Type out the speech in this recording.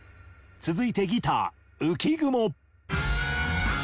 続いてギター浮雲。